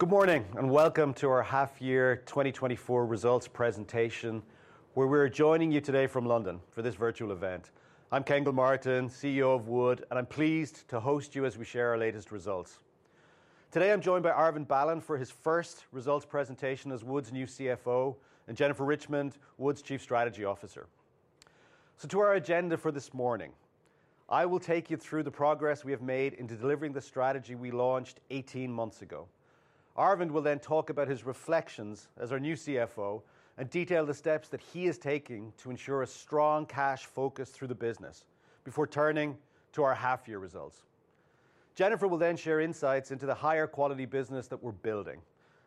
Good morning, and welcome to our half year 2024 results presentation, where we're joining you today from London for this virtual event. I'm Ken Gilmartin, CEO of Wood, and I'm pleased to host you as we share our latest results. Today, I'm joined by Arvind Balan for his first results presentation as Wood's new CFO, and Jennifer Richmond, Wood's Chief Strategy Officer. So to our agenda for this morning, I will take you through the progress we have made in delivering the strategy we launched eighteen months ago. Arvind will then talk about his reflections as our new CFO and detail the steps that he is taking to ensure a strong cash focus through the business before turning to our half-year results. Jennifer will then share insights into the higher quality business that we're building,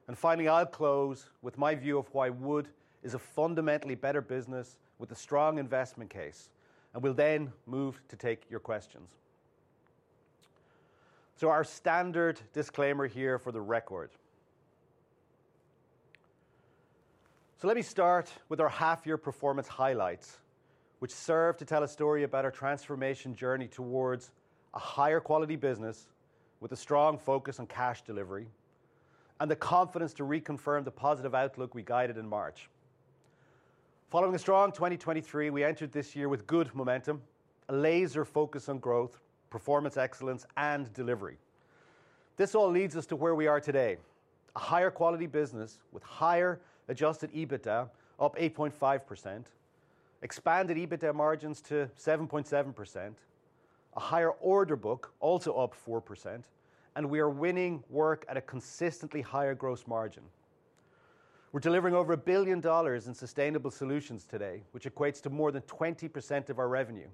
and finally, I'll close with my view of why Wood is a fundamentally better business with a strong investment case, and we'll then move to take your questions. So our standard disclaimer here for the record. So let me start with our half-year performance highlights, which serve to tell a story about our transformation journey towards a higher quality business with a strong focus on cash delivery and the confidence to reconfirm the positive outlook we guided in March. Following a strong 2023, we entered this year with good momentum, a laser focus on growth, performance, excellence, and delivery. This all leads us to where we are today, a higher quality business with higher adjusted EBITDA, up 8.5%, expanded EBITDA margins to 7.7%, a higher order book, also up 4%, and we are winning work at a consistently higher gross margin. We're delivering over $1 billion in sustainable solutions today, which equates to more than 20% of our revenue,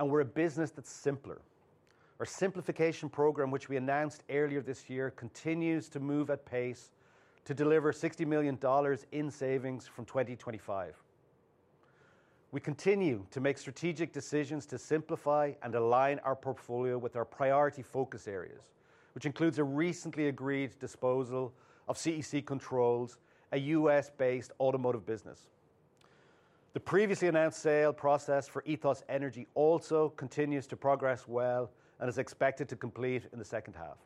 and we're a business that's simpler. Our simplification program, which we announced earlier this year, continues to move at pace to deliver $60 million in savings from 2025. We continue to make strategic decisions to simplify and align our portfolio with our priority focus areas, which includes a recently agreed disposal of CEC Controls, a U.S.-based automotive business. The previously announced sale process for EthosEnergy also continues to progress well and is expected to complete in the second half.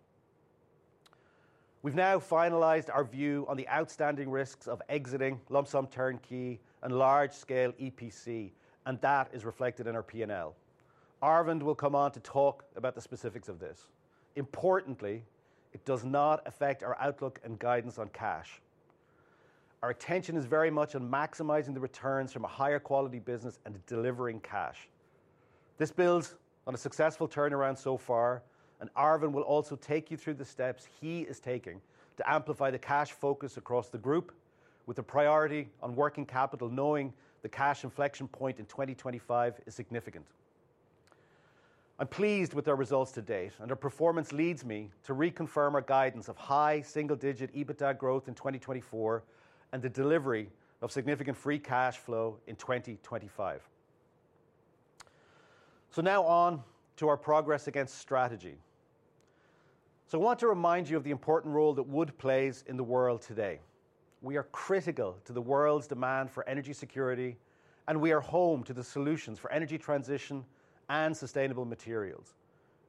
We've now finalized our view on the outstanding risks of exiting lump-sum turnkey and large-scale EPC, and that is reflected in our P&L. Arvind will come on to talk about the specifics of this. Importantly, it does not affect our outlook and guidance on cash. Our attention is very much on maximizing the returns from a higher quality business and delivering cash. This builds on a successful turnaround so far, and Arvind will also take you through the steps he is taking to amplify the cash focus across the group with a priority on working capital, knowing the cash inflection point in 2025 is significant. I'm pleased with our results to date, and our performance leads me to reconfirm our guidance of high single-digit EBITDA growth in 2024 and the delivery of significant free cash flow in 2025. So now on to our progress against strategy. So I want to remind you of the important role that Wood plays in the world today. We are critical to the world's demand for energy security, and we are home to the solutions for energy transition and sustainable materials,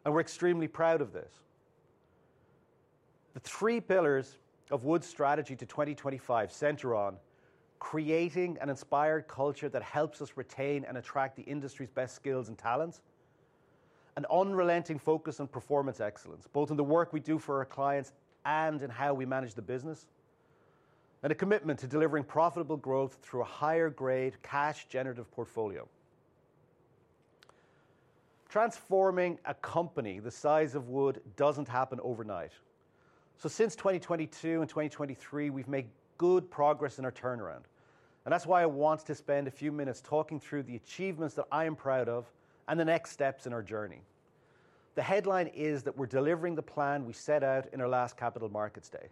and we're extremely proud of this. The three pillars of Wood's strategy to 2025 center on creating an inspired culture that helps us retain and attract the industry's best skills and talents, an unrelenting focus on performance excellence, both in the work we do for our clients and in how we manage the business, and a commitment to delivering profitable growth through a higher-grade, cash-generative portfolio. Transforming a company the size of Wood doesn't happen overnight. So since 2022 and 2023, we've made good progress in our turnaround, and that's why I want to spend a few minutes talking through the achievements that I am proud of and the next steps in our journey. The headline is that we're delivering the plan we set out in our last Capital Markets Day,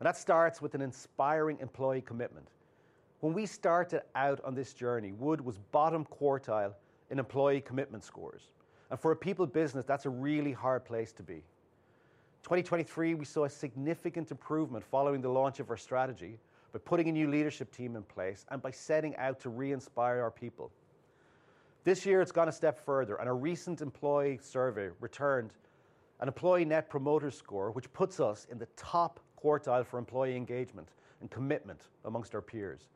and that starts with an inspiring employee commitment. When we started out on this journey, Wood was bottom quartile in employee commitment scores, and for a people business, that's a really hard place to be. 2023, we saw a significant improvement following the launch of our strategy, by putting a new leadership team in place and by setting out to reinspire our people. This year it's gone a step further, and a recent employee survey returned an employee Net Promoter Score, which puts us in the top quartile for employee engagement and commitment amongst our peers.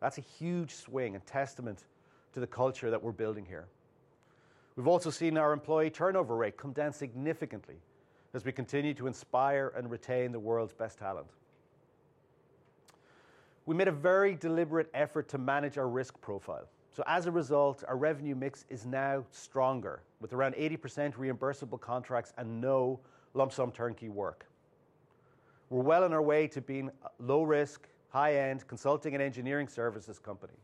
That's a huge swing, a testament to the culture that we're building here. We've also seen our employee turnover rate come down significantly as we continue to inspire and retain the world's best talent. We made a very deliberate effort to manage our risk profile. So as a result, our revenue mix is now stronger, with around 80% reimbursable contracts and no lump-sum turnkey work. We're well on our way to being a low risk, high-end consulting and engineering services company,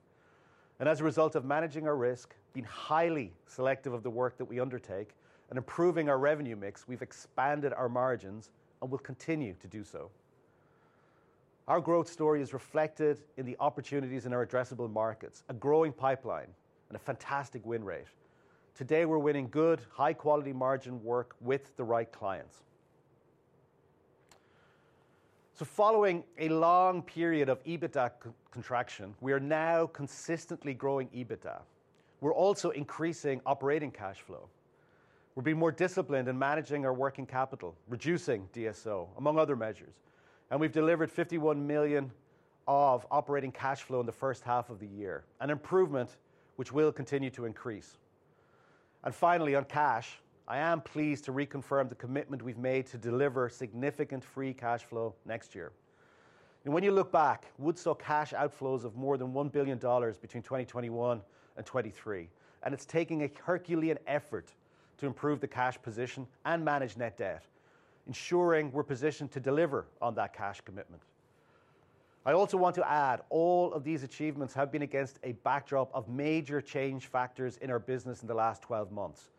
and as a result of managing our risk, being highly selective of the work that we undertake, and improving our revenue mix, we've expanded our margins and will continue to do so. Our growth story is reflected in the opportunities in our addressable markets, a growing pipeline and a fantastic win rate. Today, we're winning good, high-quality margin work with the right clients, so following a long period of EBITDA contraction, we are now consistently growing EBITDA. We're also increasing operating cash flow. We're being more disciplined in managing our working capital, reducing DSO, among other measures, and we've delivered $51 million of operating cash flow in the first half of the year, an improvement which will continue to increase, and finally, on cash, I am pleased to reconfirm the commitment we've made to deliver significant free cash flow next year. When you look back, Wood saw cash outflows of more than $1 billion between 2021 and 2023, and it's taking a Herculean effort to improve the cash position and manage net debt, ensuring we're positioned to deliver on that cash commitment. I also want to add, all of these achievements have been against a backdrop of major change factors in our business in the last 12 months,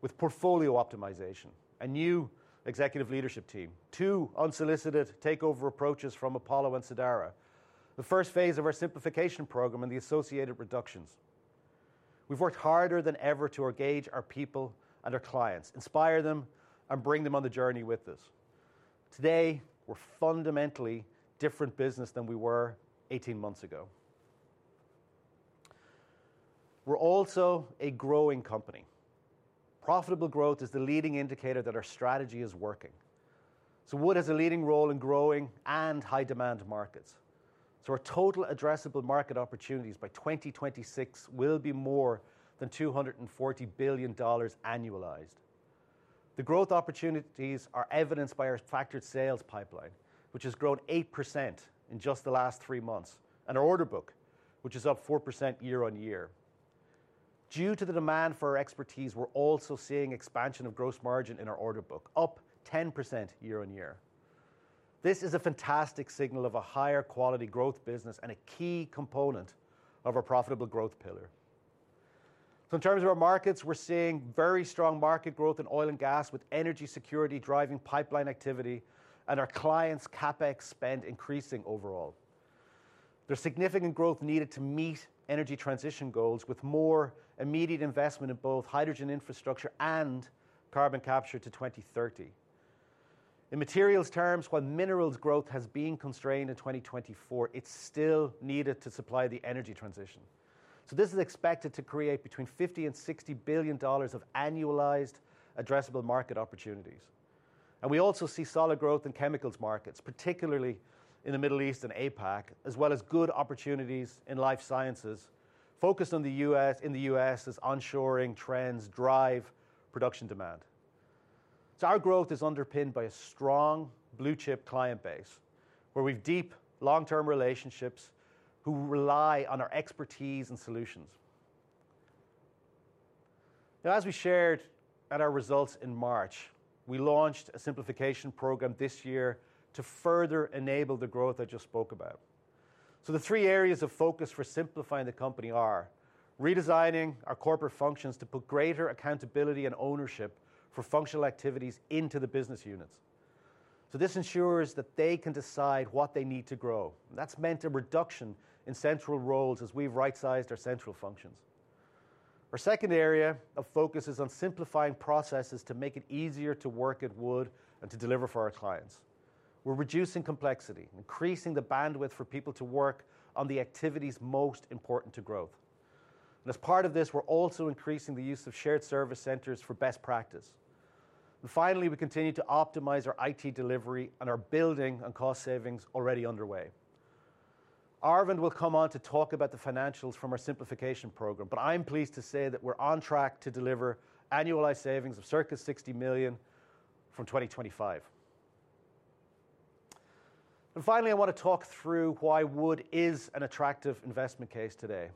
with portfolio optimization, a new executive leadership team, two unsolicited takeover approaches from Apollo and Sidara, the first phase of our simplification program, and the associated reductions. We've worked harder than ever to engage our people and our clients, inspire them, and bring them on the journey with us. Today, we're a fundamentally different business than we were 18 months ago. We're also a growing company. Profitable growth is the leading indicator that our strategy is working. Wood has a leading role in growing and high-demand markets. Our total addressable market opportunities by 2026 will be more than $240 billion annualized. The growth opportunities are evidenced by our factored sales pipeline, which has grown 8% in just the last three months, and our order book, which is up 4% year-on-year. Due to the demand for our expertise, we're also seeing expansion of gross margin in our order book, up 10% year-on-year. This is a fantastic signal of a higher quality growth business and a key component of our profitable growth pillar. In terms of our markets, we're seeing very strong market growth in oil and gas, with energy security driving pipeline activity and our clients' CapEx spend increasing overall. There's significant growth needed to meet energy transition goals, with more immediate investment in both hydrogen infrastructure and carbon capture to 2030. In materials terms, while minerals growth has been constrained in 2024, it's still needed to supply the energy transition. So this is expected to create between $50 billion and $60 billion of annualized addressable market opportunities. And we also see solid growth in chemicals markets, particularly in the Middle East and APAC, as well as good opportunities in life sciences, focused on the U.S., in the U.S. as onshoring trends drive production demand. So our growth is underpinned by a strong blue-chip client base, where we've deep, long-term relationships who rely on our expertise and solutions. Now, as we shared at our results in March, we launched a simplification program this year to further enable the growth I just spoke about. So the three areas of focus for simplifying the company are: redesigning our corporate functions to put greater accountability and ownership for functional activities into the business units. So this ensures that they can decide what they need to grow, and that's meant a reduction in central roles as we've right-sized our central functions. Our second area of focus is on simplifying processes to make it easier to work at Wood and to deliver for our clients. We're reducing complexity, increasing the bandwidth for people to work on the activities most important to growth. And as part of this, we're also increasing the use of shared service centers for best practice. And finally, we continue to optimize our IT delivery and are building on cost savings already underway. Arvind will come on to talk about the financials from our simplification program, but I am pleased to say that we're on track to deliver annualized savings of circa $60 million from 2025. And finally, I want to talk through why Wood is an attractive investment case today.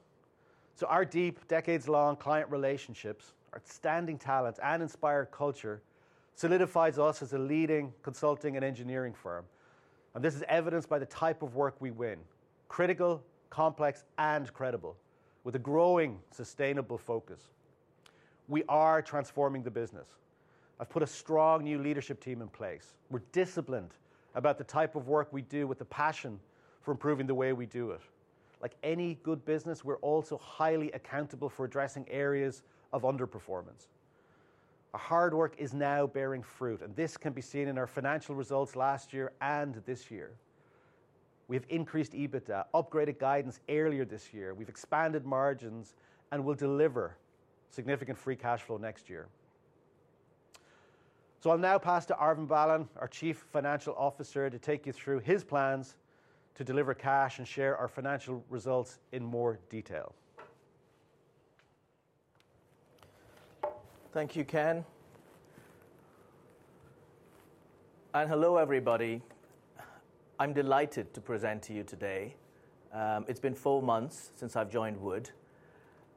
So our deep, decades-long client relationships, outstanding talent, and inspired culture solidifies us as a leading consulting and engineering firm, and this is evidenced by the type of work we win: critical, complex, and credible, with a growing sustainable focus. We are transforming the business. I've put a strong new leadership team in place. We're disciplined about the type of work we do with a passion for improving the way we do it. Like any good business, we're also highly accountable for addressing areas of underperformance. Our hard work is now bearing fruit, and this can be seen in our financial results last year and this year. We've increased EBITDA, upgraded guidance earlier this year, we've expanded margins, and we'll deliver significant free cash flow next year. So I'll now pass to Arvind Balan, our Chief Financial Officer, to take you through his plans to deliver cash and share our financial results in more detail. Thank you, Ken, and hello, everybody. I'm delighted to present to you today. It's been four months since I've joined Wood,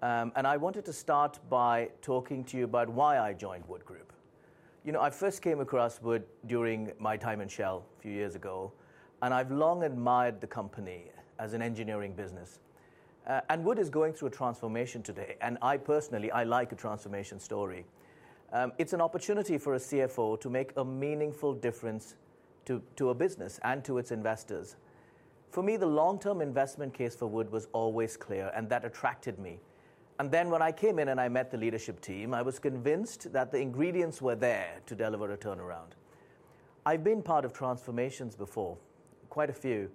and I wanted to start by talking to you about why I joined Wood Group. You know, I first came across Wood during my time in Shell a few years ago, and I've long admired the company as an engineering business, and Wood is going through a transformation today, and I personally, I like a transformation story. It's an opportunity for a CFO to make a meaningful difference to, to a business and to its investors. For me, the long-term investment case for Wood was always clear, and that attracted me, and then when I came in and I met the leadership team, I was convinced that the ingredients were there to deliver a turnaround.... I've been part of transformations before, quite a few.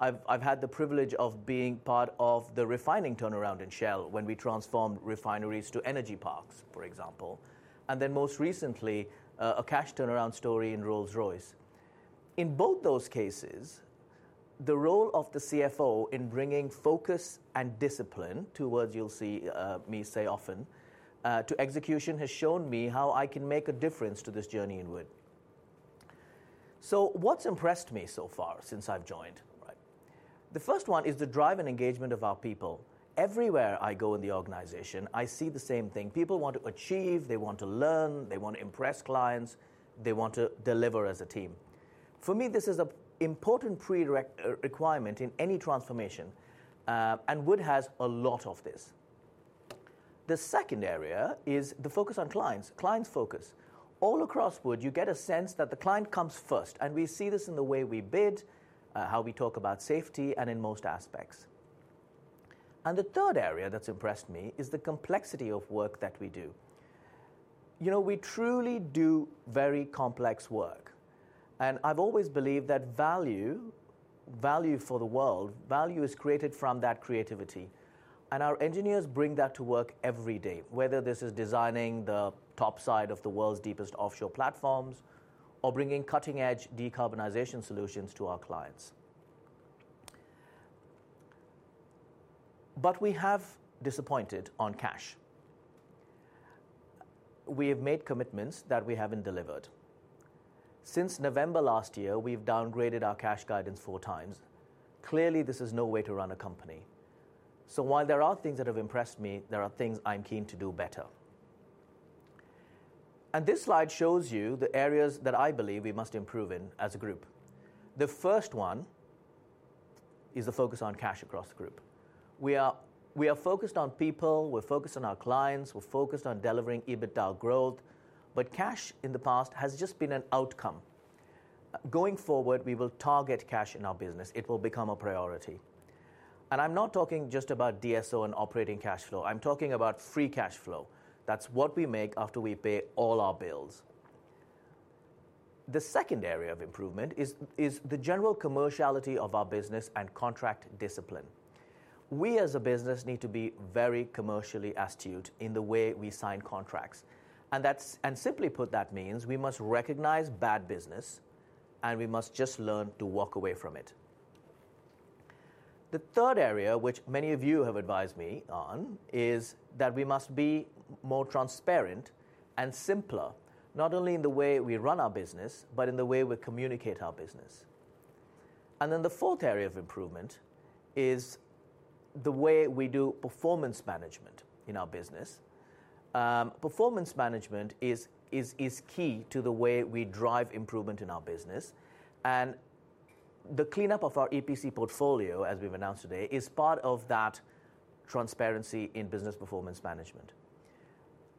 I've had the privilege of being part of the refining turnaround in Shell when we transformed refineries to energy parks, for example, and then most recently, a cash turnaround story in Rolls-Royce. In both those cases, the role of the CFO in bringing focus and discipline, two words you'll see me say often, to execution, has shown me how I can make a difference to this journey in Wood. So what's impressed me so far since I've joined, right? The first one is the drive and engagement of our people. Everywhere I go in the organization, I see the same thing. People want to achieve, they want to learn, they want to impress clients, they want to deliver as a team. For me, this is a important requirement in any transformation, and Wood has a lot of this. The second area is the focus on clients, clients focus. All across Wood, you get a sense that the client comes first, and we see this in the way we bid, how we talk about safety, and in most aspects. The third area that's impressed me is the complexity of work that we do. You know, we truly do very complex work, and I've always believed that value for the world is created from that creativity, and our engineers bring that to work every day, whether this is designing the topside of the world's deepest offshore platforms or bringing cutting-edge decarbonization solutions to our clients. We have disappointed on cash. We have made commitments that we haven't delivered. Since November last year, we've downgraded our cash guidance four times. Clearly, this is no way to run a company. So while there are things that have impressed me, there are things I'm keen to do better. And this slide shows you the areas that I believe we must improve in as a group. The first one is the focus on cash across the group. We are focused on people, we're focused on our clients, we're focused on delivering EBITDA growth, but cash in the past has just been an outcome. Going forward, we will target cash in our business. It will become a priority. And I'm not talking just about DSO and operating cash flow. I'm talking about free cash flow. That's what we make after we pay all our bills. The second area of improvement is the general commerciality of our business and contract discipline. We, as a business, need to be very commercially astute in the way we sign contracts, and that's, and simply put, that means we must recognize bad business, and we must just learn to walk away from it. The third area, which many of you have advised me on, is that we must be more transparent and simpler, not only in the way we run our business, but in the way we communicate our business. And then the fourth area of improvement is the way we do performance management in our business. Performance management is key to the way we drive improvement in our business, and the cleanup of our EPC portfolio, as we've announced today, is part of that transparency in business performance management.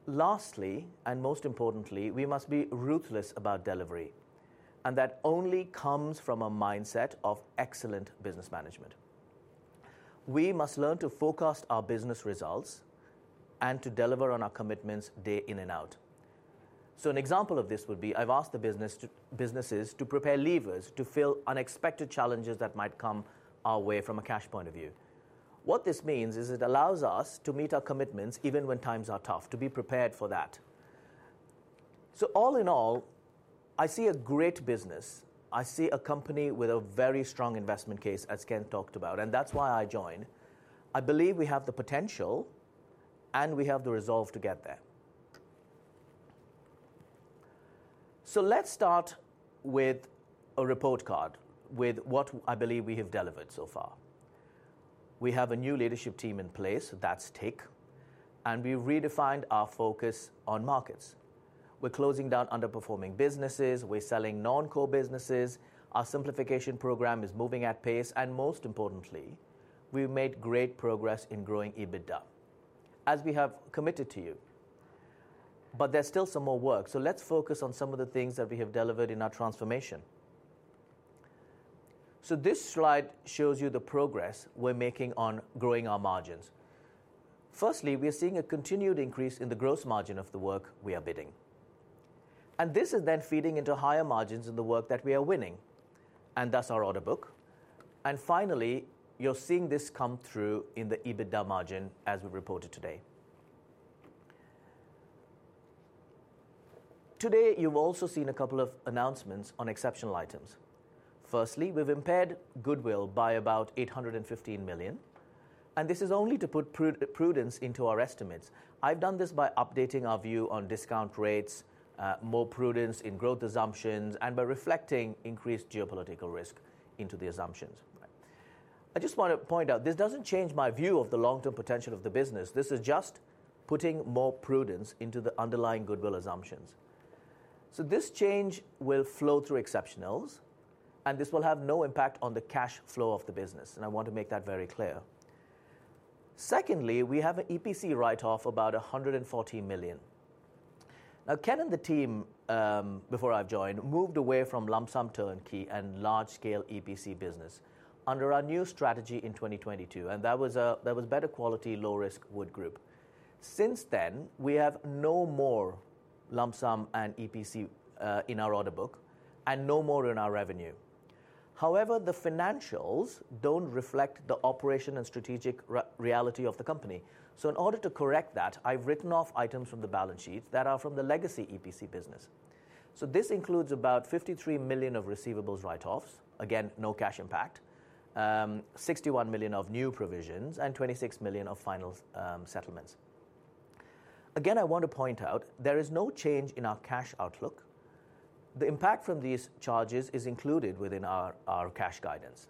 Lastly, and most importantly, we must be ruthless about delivery, and that only comes from a mindset of excellent business management. We must learn to forecast our business results and to deliver on our commitments day in and out. So an example of this would be I've asked the businesses to prepare levers to fill unexpected challenges that might come our way from a cash point of view. What this means is it allows us to meet our commitments even when times are tough, to be prepared for that. So all in all, I see a great business. I see a company with a very strong investment case, as Ken talked about, and that's why I joined. I believe we have the potential, and we have the resolve to get there. So let's start with a report card with what I believe we have delivered so far. We have a new leadership team in place. That's tick. And we redefined our focus on markets. We're closing down underperforming businesses. We're selling non-core businesses. Our simplification program is moving at pace, and most importantly, we've made great progress in growing EBITDA, as we have committed to you, but there's still some more work, so let's focus on some of the things that we have delivered in our transformation, so this slide shows you the progress we're making on growing our margins. Firstly, we are seeing a continued increase in the gross margin of the work we are bidding, and this is then feeding into higher margins in the work that we are winning, and that's our order book, and finally, you're seeing this come through in the EBITDA margin as we've reported today. Today, you've also seen a couple of announcements on exceptional items. Firstly, we've impaired goodwill by about $815 million, and this is only to put prudence into our estimates. I've done this by updating our view on discount rates, more prudence in growth assumptions, and by reflecting increased geopolitical risk into the assumptions. I just want to point out, this doesn't change my view of the long-term potential of the business. This is just putting more prudence into the underlying goodwill assumptions. So this change will flow through exceptionals, and this will have no impact on the cash flow of the business, and I want to make that very clear. Secondly, we have an EPC write-off, about $140 million. Now, Ken and the team, before I've joined, moved away from lump-sum turnkey and large-scale EPC business under our new strategy in 2022, and that was better quality, low-risk Wood Group. Since then, we have no more lump sum and EPC in our order book and no more in our revenue. However, the financials don't reflect the operation and strategic reality of the company. So in order to correct that, I've written off items from the balance sheets that are from the legacy EPC business. So this includes about $53 million of receivables write-offs, again, no cash impact, $61 million of new provisions, and $26 million of final settlements. Again, I want to point out there is no change in our cash outlook. The impact from these charges is included within our cash guidance.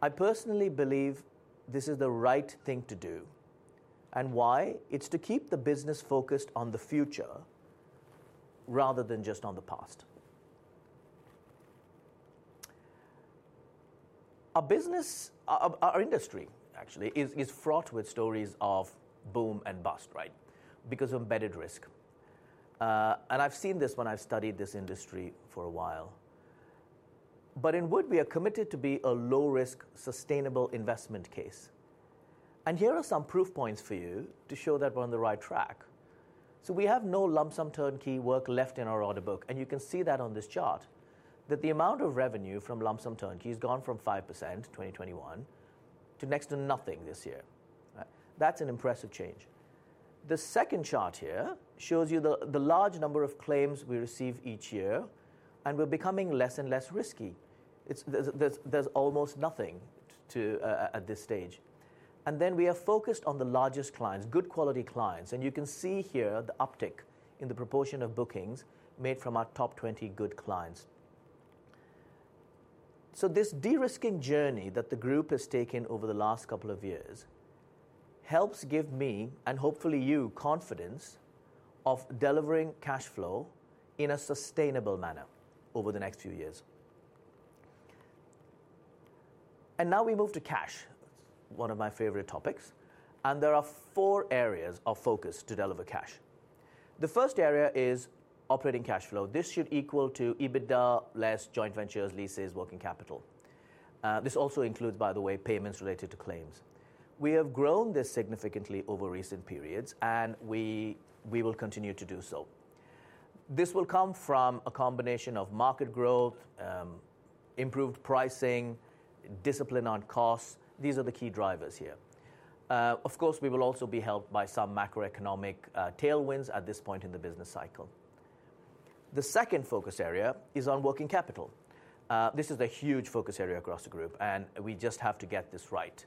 I personally believe this is the right thing to do. And why? It's to keep the business focused on the future, rather than just on the past. Our business, our industry, actually, is fraught with stories of boom and bust, right? Because of embedded risk, and I've seen this when I've studied this industry for a while, but in Wood, we are committed to be a low-risk, sustainable investment case, and here are some proof points for you to show that we're on the right track, so we have no lump sum turnkey work left in our order book, and you can see that on this chart, that the amount of revenue from lump sum turnkey has gone from 5%, 2021, to next to nothing this year. Right, that's an impressive change. The second chart here shows you the large number of claims we receive each year, and we're becoming less and less risky. It's. There's almost nothing to at this stage. Then we are focused on the largest clients, good quality clients, and you can see here the uptick in the proportion of bookings made from our top 20 good clients. This de-risking journey that the group has taken over the last couple of years helps give me, and hopefully you, confidence of delivering cash flow in a sustainable manner over the next few years. Now we move to cash, one of my favorite topics, and there are four areas of focus to deliver cash. The first area is operating cash flow. This should equal to EBITDA, less joint ventures, leases, working capital. This also includes, by the way, payments related to claims. We have grown this significantly over recent periods, and we will continue to do so. This will come from a combination of market growth, improved pricing, discipline on costs. These are the key drivers here. Of course, we will also be helped by some macroeconomic tailwinds at this point in the business cycle. The second focus area is on working capital. This is a huge focus area across the group, and we just have to get this right.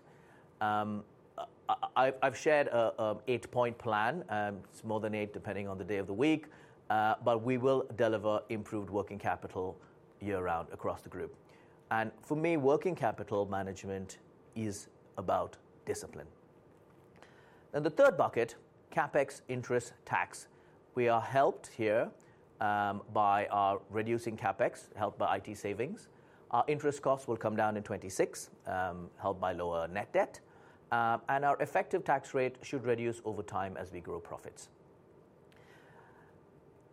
I've shared an eight-point plan, it's more than eight, depending on the day of the week, but we will deliver improved working capital year-round across the group, and for me, working capital management is about discipline, then the third bucket, CapEx, interest, tax. We are helped here, by our reducing CapEx, helped by IT savings. Our interest costs will come down in 2026, helped by lower net debt, and our effective tax rate should reduce over time as we grow profits.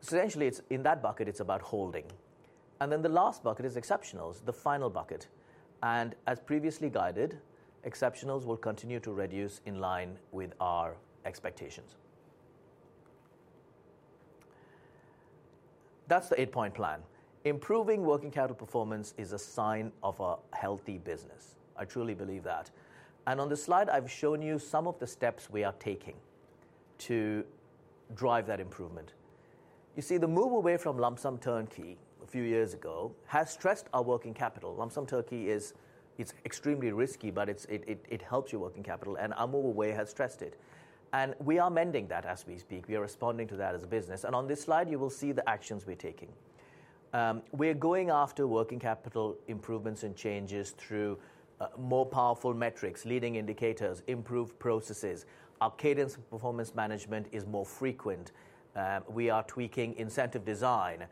So essentially, in that bucket, it's about holding. And then the last bucket is exceptionals, the final bucket, and as previously guided, exceptionals will continue to reduce in line with our expectations. That's the eight-point plan. Improving working capital performance is a sign of a healthy business. I truly believe that. And on this slide, I've shown you some of the steps we are taking to drive that improvement. You see, the move away from lump-sum turnkey a few years ago has stressed our working capital. Lump-sum turnkey is extremely risky, but it helps your working capital, and our move away has stressed it, and we are mending that as we speak. We are responding to that as a business, and on this slide, you will see the actions we're taking. We're going after working capital improvements and changes through more powerful metrics, leading indicators, improved processes. Our cadence of performance management is more frequent. We are tweaking incentive design.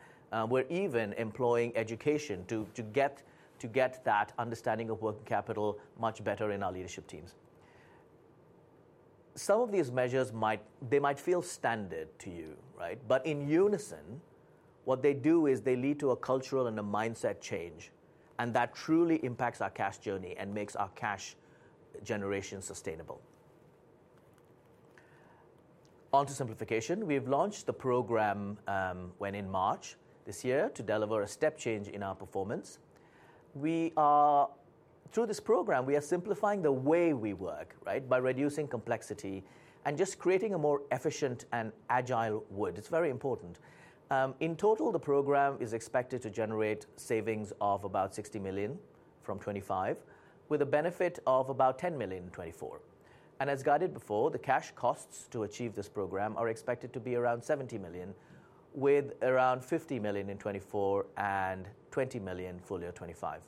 We're even employing education to get that understanding of working capital much better in our leadership teams. Some of these measures might feel standard to you, right? But in unison, what they do is they lead to a cultural and a mindset change, and that truly impacts our cash journey and makes our cash generation sustainable. On to simplification. We've launched the program in March this year to deliver a step change in our performance. Through this program, we are simplifying the way we work, right? By reducing complexity and just creating a more efficient and agile Wood. It's very important. In total, the program is expected to generate savings of about $60 million from 2025, with a benefit of about $10 million in 2024. As guided before, the cash costs to achieve this program are expected to be around $70 million, with around $50 million in 2024 and $20 million full year 2025.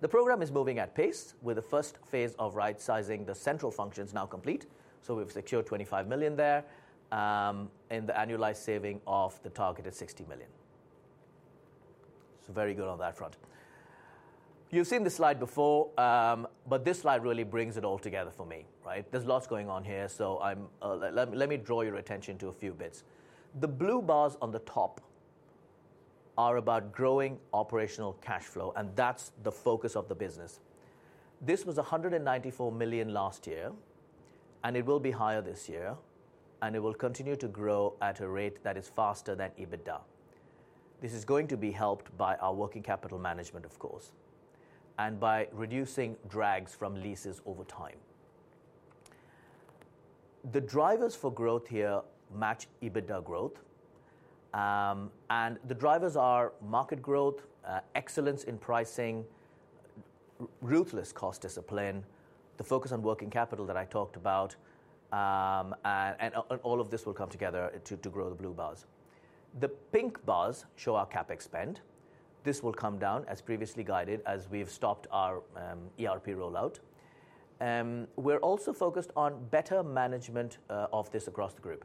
The program is moving at pace, with the first phase of right-sizing the central functions now complete. We've secured $25 million there, and the annualized saving of the target is $60 million. Very good on that front. You've seen this slide before, but this slide really brings it all together for me, right? There's lots going on here, so let me draw your attention to a few bits. The blue bars on the top are about growing operational cash flow, and that's the focus of the business. This was $194 million last year. and it will be higher this year, and it will continue to grow at a rate that is faster than EBITDA. This is going to be helped by our working capital management, of course, and by reducing drags from leases over time. The drivers for growth here match EBITDA growth, and the drivers are market growth, excellence in pricing, ruthless cost discipline, the focus on working capital that I talked about, and all of this will come together to grow the blue bars. The pink bars show our CapEx spend. This will come down, as previously guided, as we've stopped our ERP rollout. We're also focused on better management of this across the group.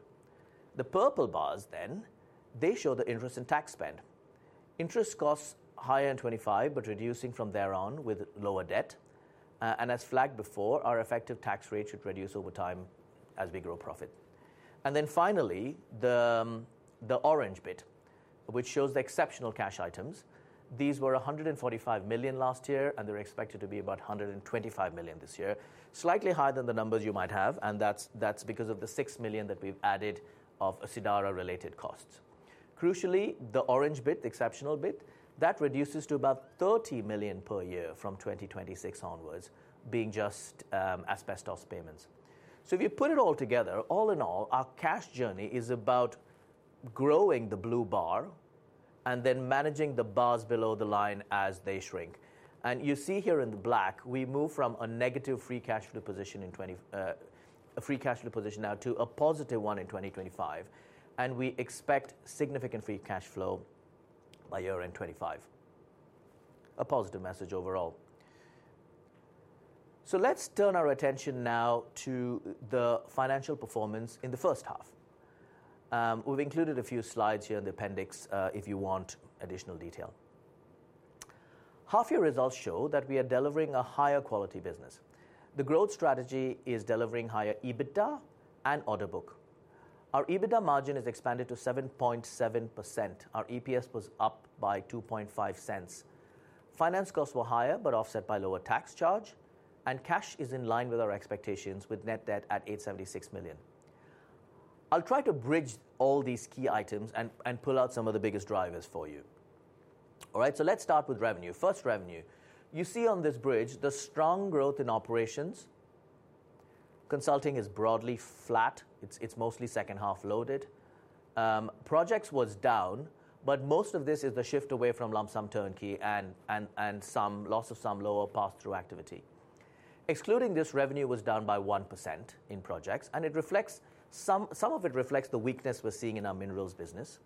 The purple bars then, they show the interest and tax spend. Interest costs higher in 2025, but reducing from there on with lower debt. And as flagged before, our effective tax rate should reduce over time as we grow profit. And then finally, the orange bit, which shows the exceptional cash items. These were $145 million last year, and they're expected to be about $125 million this year. Slightly higher than the numbers you might have, and that's because of the $6 million that we've added of Sidara-related costs. Crucially, the orange bit, the exceptional bit, that reduces to about $30 million per year from 2026 onwards, being just asbestos payments. So if you put it all together, all in all, our cash journey is about growing the blue bar and then managing the bars below the line as they shrink. You see here in the black, we move from a negative free cash flow position in 2020, a free cash flow position now to a positive one in 2025, and we expect significant free cash flow by year-end 2025. A positive message overall. Let's turn our attention now to the financial performance in the first half. We've included a few slides here in the appendix, if you want additional detail. Half-year results show that we are delivering a higher quality business. The growth strategy is delivering higher EBITDA and order book. Our EBITDA margin has expanded to 7.7%. Our EPS was up by $0.025. Finance costs were higher, but offset by lower tax charge, and cash is in line with our expectations, with net debt at $876 million. I'll try to bridge all these key items and pull out some of the biggest drivers for you. All right, so let's start with revenue. First, revenue. You see on this bridge, the strong growth in operations. Consulting is broadly flat. It's mostly second-half loaded. Projects was down, but most of this is the shift away from lump-sum turnkey and some loss of some lower pass-through activity. Excluding this, revenue was down by 1% in projects, and some of it reflects the weakness we're seeing in our minerals business.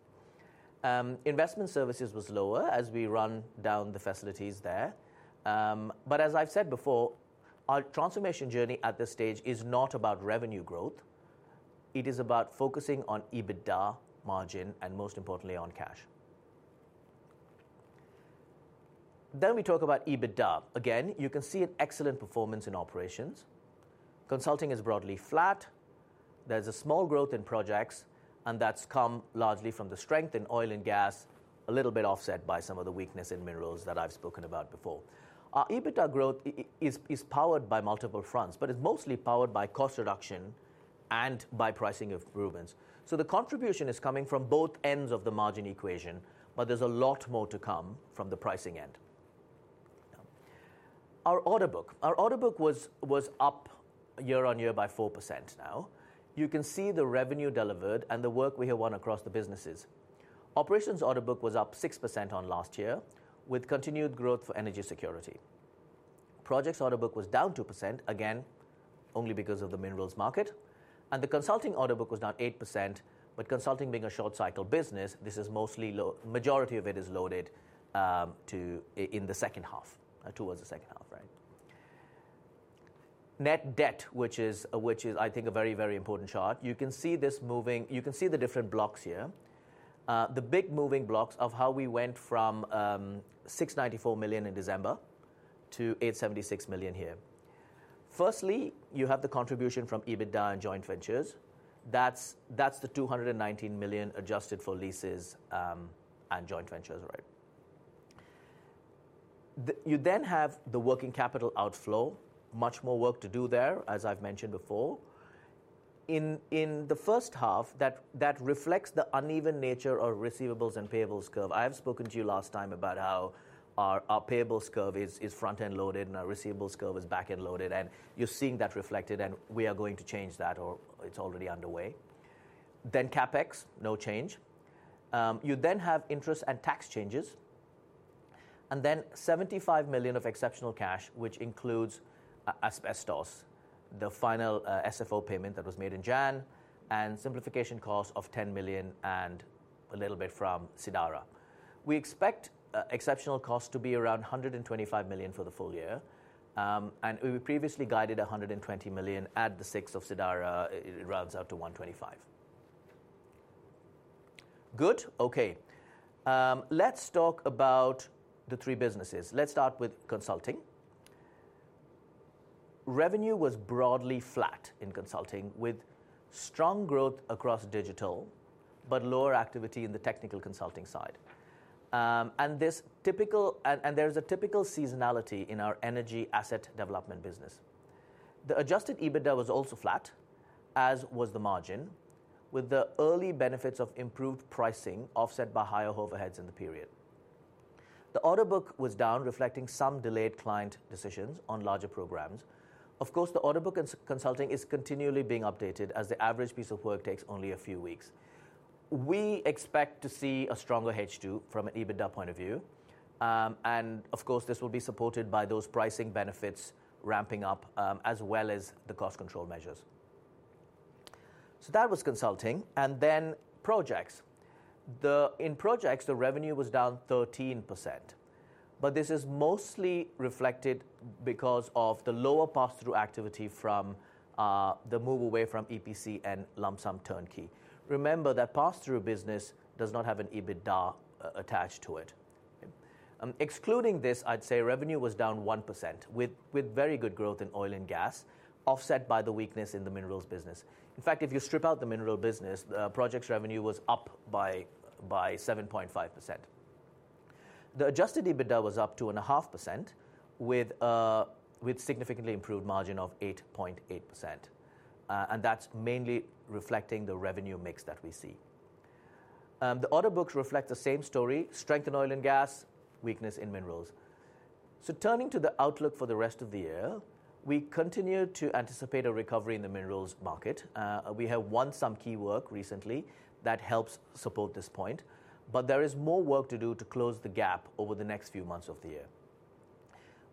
Investment services was lower as we run down the facilities there. But as I've said before, our transformation journey at this stage is not about revenue growth. It is about focusing on EBITDA margin and, most importantly, on cash. Then we talk about EBITDA. Again, you can see an excellent performance in operations. Consulting is broadly flat. There's a small growth in projects, and that's come largely from the strength in oil and gas, a little bit offset by some of the weakness in minerals that I've spoken about before. Our EBITDA growth is powered by multiple fronts, but is mostly powered by cost reduction and by pricing improvements. So the contribution is coming from both ends of the margin equation, but there's a lot more to come from the pricing end. Our order book was up year-on-year by 4% now. You can see the revenue delivered and the work we have won across the businesses. Operations order book was up 6% on last year, with continued growth for energy security. Projects order book was down 2%, again, only because of the minerals market, and the consulting order book was down 8%, but consulting being a short cycle business, this is mostly majority of it is loaded in the second half, towards the second half, right? Net debt, which is, I think, a very, very important chart. You can see this moving. You can see the different blocks here. The big moving blocks of how we went from $694 million in December to $876 million here. Firstly, you have the contribution from EBITDA and joint ventures. That's the $219 million adjusted for leases and joint ventures, right? You then have the working capital outflow. Much more work to do there, as I've mentioned before. In the first half, that reflects the uneven nature of receivables and payables curve. I have spoken to you last time about how our payables curve is front-end loaded and our receivables curve is back-end loaded, and you're seeing that reflected, and we are going to change that, or it's already underway. Then CapEx, no change. You then have interest and tax changes, and then $75 million of exceptional cash, which includes asbestos, the final SFO payment that was made in January, and simplification cost of $10 million and a little bit from Sidara. We expect exceptional cost to be around $125 million for the full year. And we previously guided $120 million, add the $6 million of Sidara, it rounds out to $125 million. Good? Okay. Let's talk about the three businesses. Let's start with consulting. Revenue was broadly flat in consulting, with strong growth across digital, but lower activity in the technical consulting side, and there's a typical seasonality in our energy asset development business. The adjusted EBITDA was also flat, as was the margin, with the early benefits of improved pricing offset by higher overheads in the period. The order book was down, reflecting some delayed client decisions on larger programs. Of course, the order book consulting is continually being updated, as the average piece of work takes only a few weeks. We expect to see a stronger H2 from an EBITDA point of view, and of course this will be supported by those pricing benefits ramping up, as well as the cost control measures, so that was consulting, and then projects. In projects, the revenue was down 13%, but this is mostly reflected because of the lower pass-through activity from the move away from EPC and lump-sum turnkey. Remember, that pass-through business does not have an EBITDA attached to it. Excluding this, I'd say revenue was down 1%, with very good growth in oil and gas, offset by the weakness in the minerals business. In fact, if you strip out the mineral business, the projects revenue was up by 7.5%. The adjusted EBITDA was up 2.5%, with significantly improved margin of 8.8%. And that's mainly reflecting the revenue mix that we see. The order books reflect the same story: strength in oil and gas, weakness in minerals. So turning to the outlook for the rest of the year, we continue to anticipate a recovery in the minerals market. We have won some key work recently that helps support this point, but there is more work to do to close the gap over the next few months of the year.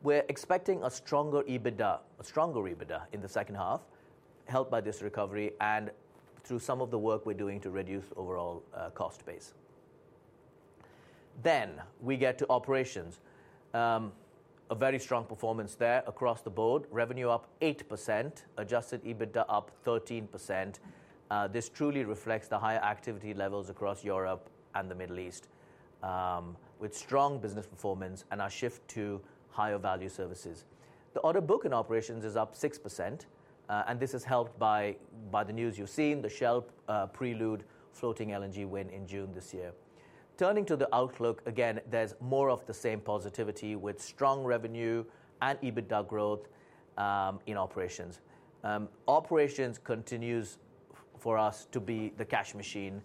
We're expecting a stronger EBITDA, a stronger EBITDA in the second half, helped by this recovery and through some of the work we're doing to reduce overall, cost base. Then, we get to operations. A very strong performance there across the board. Revenue up 8%, adjusted EBITDA up 13%. This truly reflects the higher activity levels across Europe and the Middle East, with strong business performance and our shift to higher-value services. The order book in operations is up 6%, and this is helped by the news you've seen, the Shell Prelude floating LNG win in June this year. Turning to the outlook, again, there's more of the same positivity, with strong revenue and EBITDA growth in operations. Operations continues for us to be the cash machine.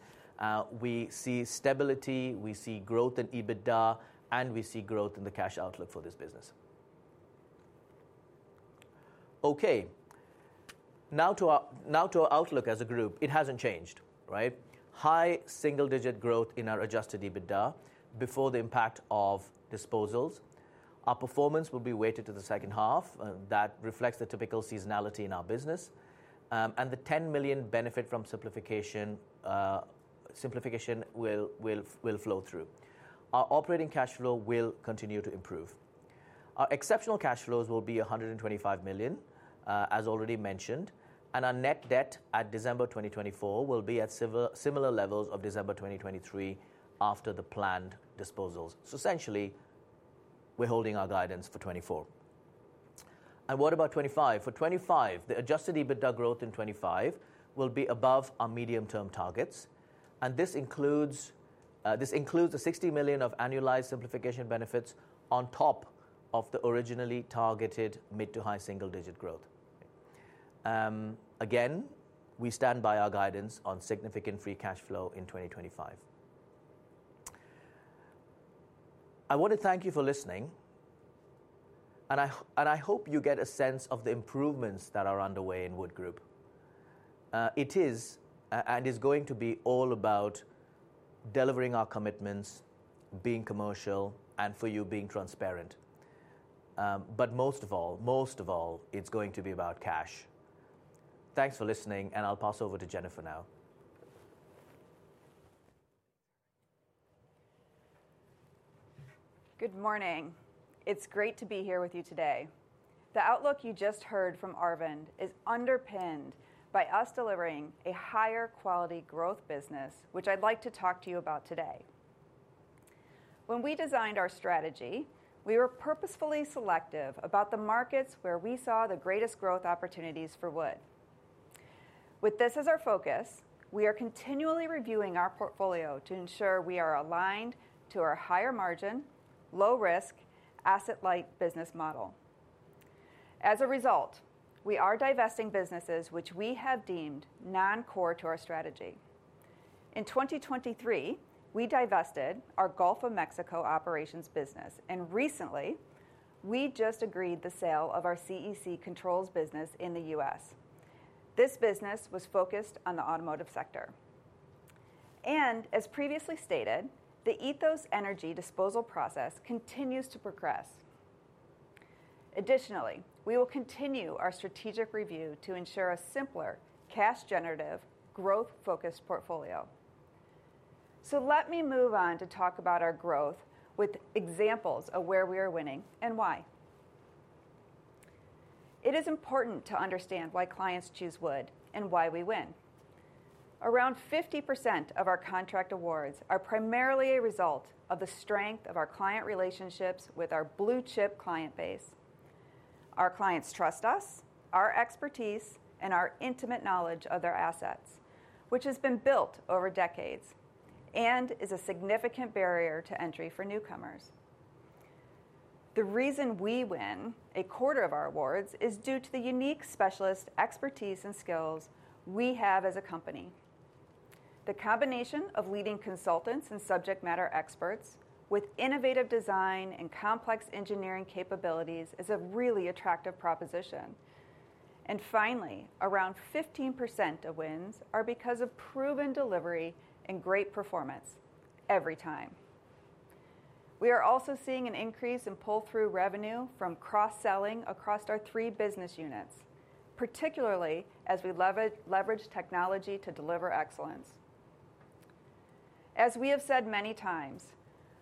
We see stability, we see growth in EBITDA, and we see growth in the cash outlook for this business. Okay, now to our outlook as a group. It hasn't changed, right? High single-digit growth in our adjusted EBITDA before the impact of disposals. Our performance will be weighted to the second half, that reflects the typical seasonality in our business, and the $10 million benefit from simplification will flow through. Our operating cash flow will continue to improve. Our exceptional cash flows will be $125 million, as already mentioned, and our net debt at December 2024 will be at similar levels of December 2023 after the planned disposals. So essentially, we're holding our guidance for 2024. And what about 2025? For 2025, the adjusted EBITDA growth in 2025 will be above our medium-term targets, and this includes the $60 million of annualized simplification benefits on top of the originally targeted mid- to high single-digit growth. Again, we stand by our guidance on significant free cash flow in 2025. I want to thank you for listening, and I hope you get a sense of the improvements that are underway in Wood Group. It is going to be all about delivering our commitments, being commercial, and for you, being transparent. But most of all, it's going to be about cash. Thanks for listening, and I'll pass over to Jennifer now. Good morning. It's great to be here with you today. The outlook you just heard from Arvind is underpinned by us delivering a higher quality growth business, which I'd like to talk to you about today. When we designed our strategy, we were purposefully selective about the markets where we saw the greatest growth opportunities for Wood. With this as our focus, we are continually reviewing our portfolio to ensure we are aligned to our higher-margin, low-risk, asset-light business model. As a result, we are divesting businesses which we have deemed non-core to our strategy. In 2023, we divested our Gulf of Mexico operations business, and recently, we just agreed the sale of our CEC Controls business in the U.S. This business was focused on the automotive sector, and as previously stated, the EthosEnergy disposal process continues to progress. Additionally, we will continue our strategic review to ensure a simpler, cash generative, growth-focused portfolio. So let me move on to talk about our growth with examples of where we are winning and why. It is important to understand why clients choose Wood and why we win. Around 50% of our contract awards are primarily a result of the strength of our client relationships with our blue-chip client base.... Our clients trust us, our expertise, and our intimate knowledge of their assets, which has been built over decades and is a significant barrier to entry for newcomers. The reason we win a quarter of our awards is due to the unique specialist expertise and skills we have as a company. The combination of leading consultants and subject matter experts with innovative design and complex engineering capabilities is a really attractive proposition. Finally, around 15% of wins are because of proven delivery and great performance every time. We are also seeing an increase in pull-through revenue from cross-selling across our three business units, particularly as we leverage technology to deliver excellence. As we have said many times,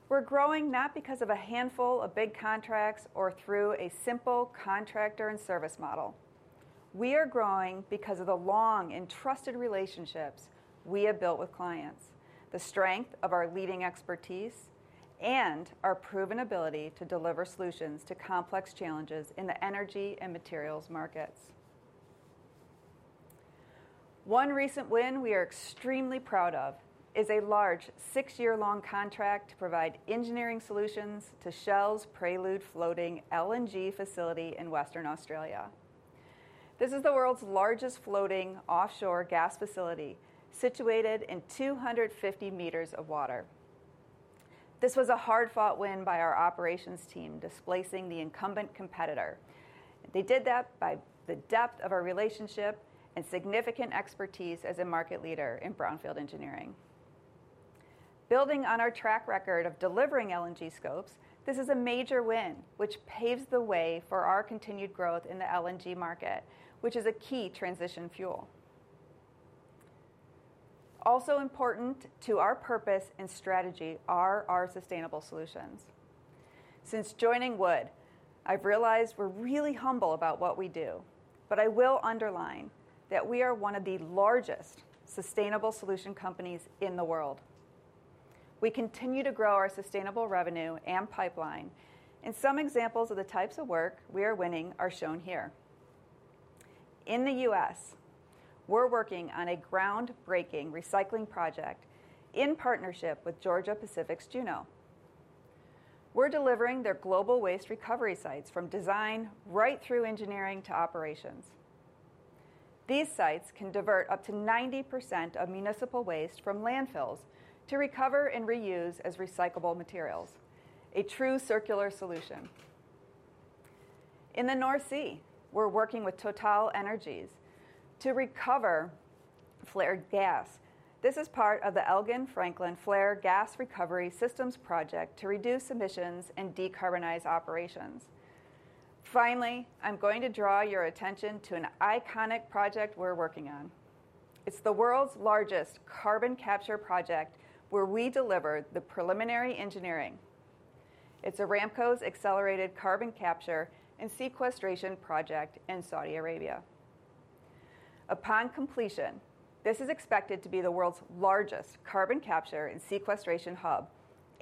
we're growing not because of a handful of big contracts or through a simple contractor and service model. We are growing because of the long and trusted relationships we have built with clients, the strength of our leading expertise, and our proven ability to deliver solutions to complex challenges in the energy and materials markets. One recent win we are extremely proud of is a large, six-year-long contract to provide engineering solutions to Shell's Prelude floating LNG facility in Western Australia. This is the world's largest floating offshore gas facility, situated in 250 meters of water. This was a hard-fought win by our operations team, displacing the incumbent competitor. They did that by the depth of our relationship and significant expertise as a market leader in brownfield engineering. Building on our track record of delivering LNG scopes, this is a major win, which paves the way for our continued growth in the LNG market, which is a key transition fuel. Also important to our purpose and strategy are our sustainable solutions. Since joining Wood, I've realized we're really humble about what we do, but I will underline that we are one of the largest sustainable solution companies in the world. We continue to grow our sustainable revenue and pipeline, and some examples of the types of work we are winning are shown here. In the U.S., we're working on a groundbreaking recycling project in partnership with Georgia-Pacific's Juno. We're delivering their global waste recovery sites from design right through engineering to operations. These sites can divert up to 90% of municipal waste from landfills to recover and reuse as recyclable materials, a true circular solution. In the North Sea, we're working with TotalEnergies to recover flared gas. This is part of the Elgin-Franklin Flared Gas Recovery Systems project to reduce emissions and decarbonize operations. Finally, I'm going to draw your attention to an iconic project we're working on. It's the world's largest carbon capture project, where we delivered the preliminary engineering. It's Aramco's Accelerated Carbon Capture and Sequestration project in Saudi Arabia. Upon completion, this is expected to be the world's largest carbon capture and sequestration hub,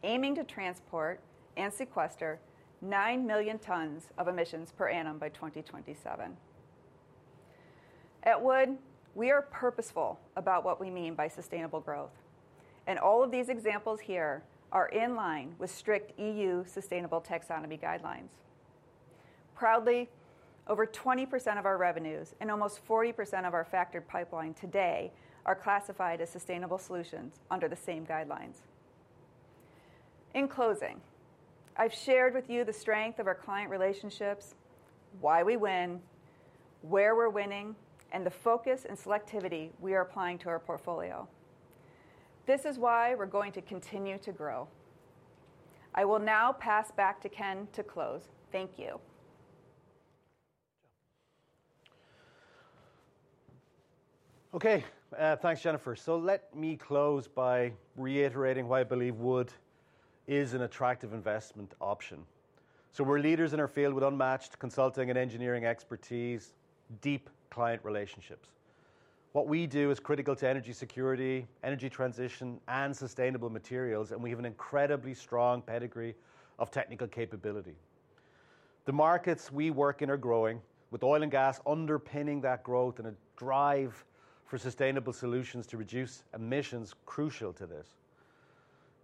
aiming to transport and sequester nine million tons of emissions per annum by 2027. At Wood, we are purposeful about what we mean by sustainable growth, and all of these examples here are in line with strict EU sustainable taxonomy guidelines. Proudly, over 20% of our revenues and almost 40% of our factored pipeline today are classified as sustainable solutions under the same guidelines. In closing, I've shared with you the strength of our client relationships, why we win, where we're winning, and the focus and selectivity we are applying to our portfolio. This is why we're going to continue to grow. I will now pass back to Ken to close. Thank you. Okay, thanks, Jennifer. So let me close by reiterating why I believe Wood is an attractive investment option. So we're leaders in our field with unmatched consulting and engineering expertise, deep client relationships. What we do is critical to energy security, energy transition, and sustainable materials, and we have an incredibly strong pedigree of technical capability. The markets we work in are growing, with oil and gas underpinning that growth, and a drive for sustainable solutions to reduce emissions crucial to this.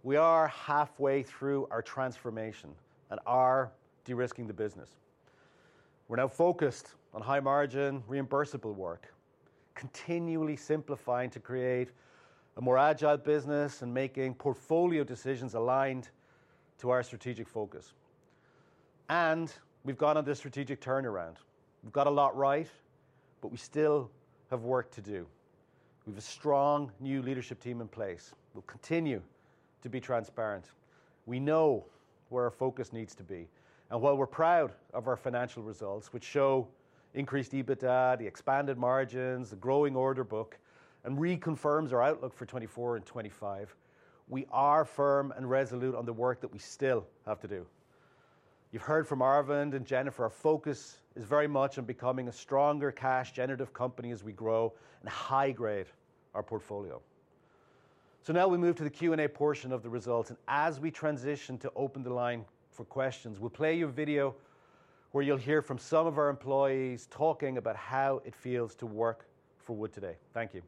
We are halfway through our transformation and are de-risking the business. We're now focused on high-margin, reimbursable work, continually simplifying to create a more agile business and making portfolio decisions aligned to our strategic focus. And we've gone on this strategic turnaround. We've got a lot right, but we still have work to do. We have a strong new leadership team in place. We'll continue to be transparent. We know where our focus needs to be, and while we're proud of our financial results, which show increased EBITDA, the expanded margins, the growing order book, and reconfirms our outlook for 2024 and 2025, we are firm and resolute on the work that we still have to do. You've heard from Arvind and Jennifer, our focus is very much on becoming a stronger cash-generative company as we grow and high-grade our portfolio. So now we move to the Q&A portion of the results, and as we transition to open the line for questions, we'll play you a video where you'll hear from some of our employees talking about how it feels to work for Wood today. Thank you.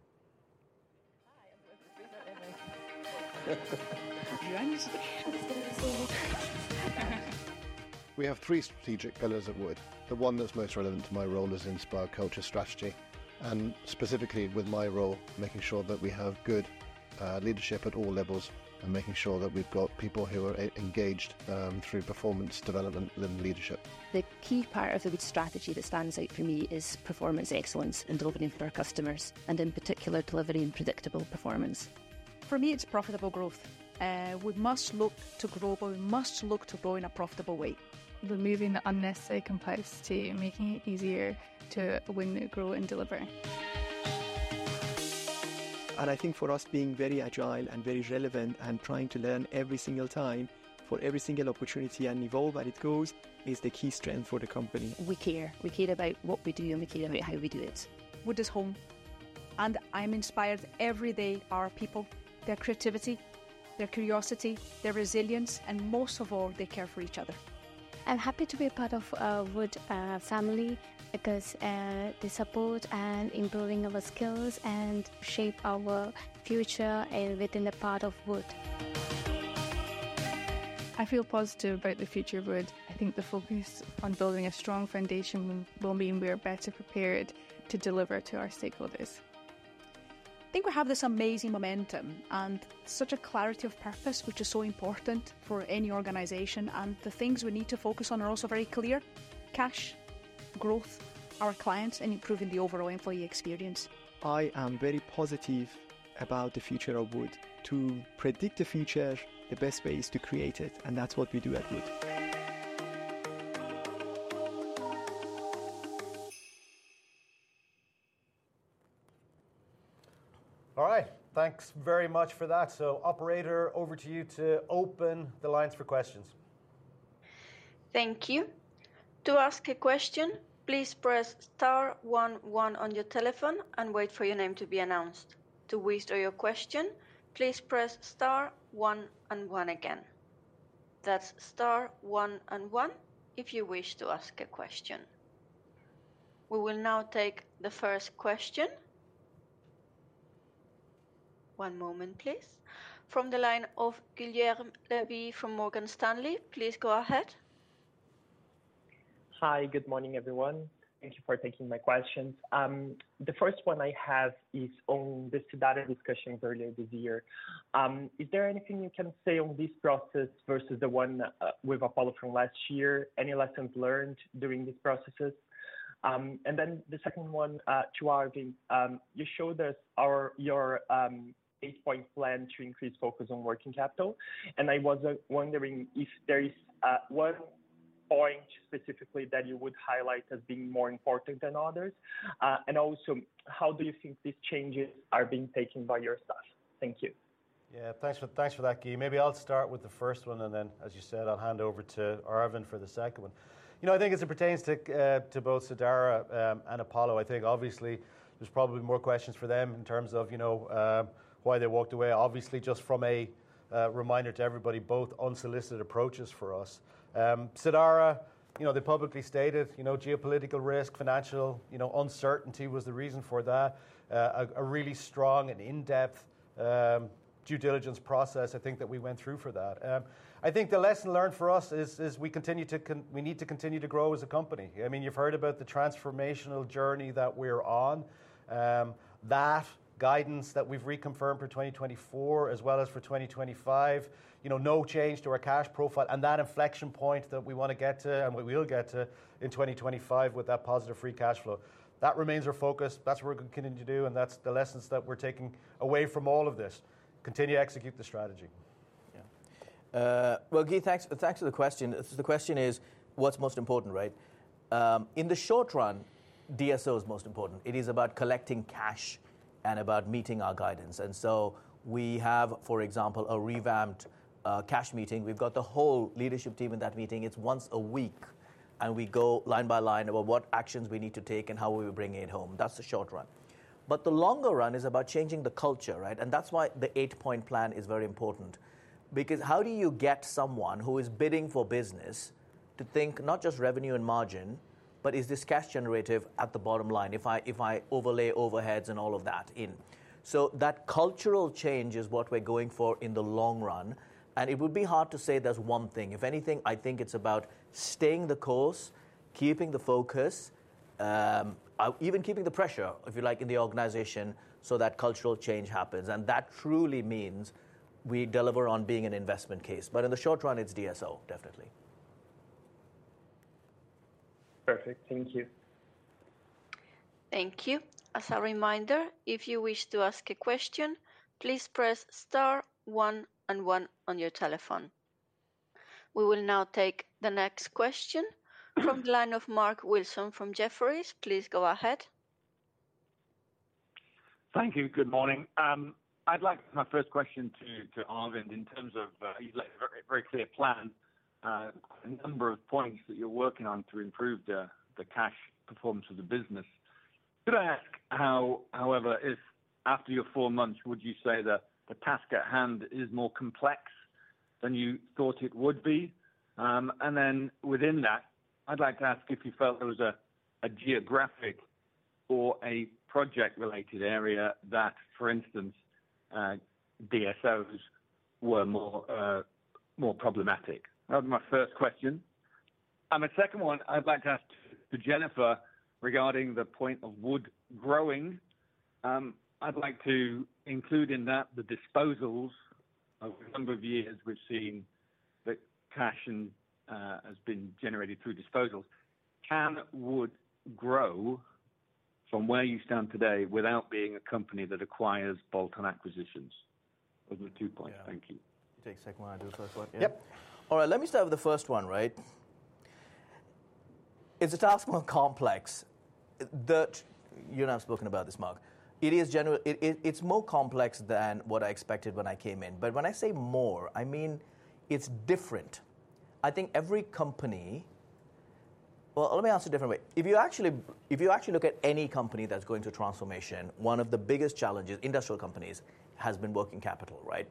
Hi, I'm with We have three strategic pillars at Wood. The one that's most relevant to my role is inspire culture strategy, and specifically with my role, making sure that we have good leadership at all levels, and making sure that we've got people who are engaged through performance development and leadership. The key part of the Wood strategy that stands out for me is performance excellence and delivering for our customers, and in particular, delivering predictable performance. For me, it's profitable growth. We must look to grow, but we must look to grow in a profitable way. Removing the unnecessary complexity, making it easier to win, grow, and deliver. I think for us, being very agile and very relevant and trying to learn every single time for every single opportunity and evolve as it goes, is the key strength for the company. We care. We care about what we do, and we care about how we do it. Wood is home, and I'm inspired every day by our people, their creativity, their curiosity, their resilience, and most of all, they care for each other. I'm happy to be a part of Wood family because they support and improving our skills and shape our future, and within a part of Wood. I feel positive about the future of Wood. I think the focus on building a strong foundation will mean we are better prepared to deliver to our stakeholders. I think we have this amazing momentum and such a clarity of purpose, which is so important for any organization, and the things we need to focus on are also very clear: cash, growth, our clients, and improving the overall employee experience. I am very positive about the future of Wood. To predict the future, the best way is to create it, and that's what we do at Wood. All right, thanks very much for that. So operator, over to you to open the lines for questions. Thank you. To ask a question, please press star one one on your telephone and wait for your name to be announced. To withdraw your question, please press star one and one again. That's star one and one if you wish to ask a question. We will now take the first question. One moment, please. From the line of Guilherme Levy from Morgan Stanley, please go ahead. Hi, good morning, everyone. Thank you for taking my questions. The first one I have is on the Sidara discussions earlier this year. Is there anything you can say on this process versus the one with Apollo from last year? Any lessons learned during these processes? And then the second one to Arvind. You showed us your eight-point plan to increase focus on working capital, and I was wondering if there is one point specifically that you would highlight as being more important than others. And also, how do you think these changes are being taken by your staff? Thank you. Yeah, thanks for that, Gui. Maybe I'll start with the first one, and then, as you said, I'll hand over to Arvind for the second one. You know, I think as it pertains to both Sidara and Apollo, I think obviously there's probably more questions for them in terms of, you know, why they walked away. Obviously, just from a reminder to everybody, both unsolicited approaches for us. Sidara, you know, they publicly stated, you know, geopolitical risk, financial, you know, uncertainty was the reason for that. A really strong and in-depth due diligence process, I think, that we went through for that. I think the lesson learned for us is we need to continue to grow as a company. I mean, you've heard about the transformational journey that we're on. That guidance that we've reconfirmed for 2024 as well as for 2025, you know, no change to our cash profile and that inflection point that we wanna get to, and we will get to, in 2025 with that positive free cash flow. That remains our focus, that's what we're continuing to do, and that's the lessons that we're taking away from all of this. Continue to execute the strategy. Yeah. Well, Gui, thanks, thanks for the question. So the question is what's most important, right? In the short run, DSO is most important. It is about collecting cash and about meeting our guidance, and so we have, for example, a revamped cash meeting. We've got the whole leadership team in that meeting. It's once a week, and we go line by line about what actions we need to take and how we will bring it home. That's the short run. But the longer run is about changing the culture, right? And that's why the eight-point plan is very important. Because how do you get someone who is bidding for business to think not just revenue and margin, but is this cash generative at the bottom line, if I, if I overlay overheads and all of that in? So that cultural change is what we're going for in the long run, and it would be hard to say there's one thing. If anything, I think it's about staying the course, keeping the focus, even keeping the pressure, if you like, in the organization so that cultural change happens, and that truly means we deliver on being an investment case. But in the short run, it's DSO, definitely. Perfect. Thank you. Thank you. As a reminder, if you wish to ask a question, please press star one and one on your telephone. We will now take the next question from the line of Mark Wilson from Jefferies. Please go ahead. Thank you. Good morning. I'd like my first question to Arvind in terms of, you laid a very, very clear plan, a number of points that you're working on to improve the cash performance of the business. Could I ask how, however, if after your four months, would you say that the task at hand is more complex than you thought it would be? And then within that, I'd like to ask if you felt there was a geographic or a project-related area that, for instance, DSOs were more problematic? That was my first question. My second one, I'd like to ask to Jennifer regarding the point of Wood growing. I'd like to include in that the disposals. Over a number of years, we've seen that cash in has been generated through disposals. Can Wood grow from where you stand today without being a company that acquires bolt-on acquisitions? Those are the two points. Thank you. You take the second one, I do the first one. Yep. All right, let me start with the first one, right? Is the task more complex? You and I have spoken about this, Mark. It is more complex than what I expected when I came in. But when I say more, I mean it's different. I think every company... Well, let me ask a different way. If you actually look at any company that's going through transformation, one of the biggest challenges, industrial companies, has been working capital, right?